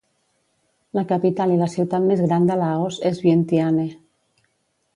La capital i la ciutat més gran de Laos és Vientiane.